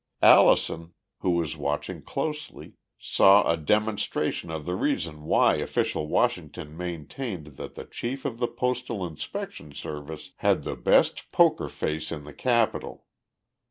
Allison, who was watching closely, saw a demonstration of the reason why official Washington maintained that the chief of the Postal Inspection Service had the best "poker face" in the capital.